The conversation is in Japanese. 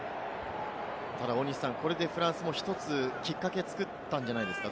これでフランスも１つ、きっかけを作ったんじゃないですか？